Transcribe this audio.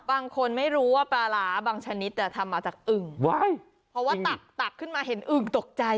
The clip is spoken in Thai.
บางคนไม่รู้ว่าปลาร้าบางชนิดทำมาจากอึ่งเพราะว่าตักตักขึ้นมาเห็นอึ่งตกใจ